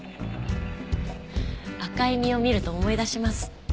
赤い実を見ると思い出します。